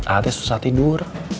ate susah tidur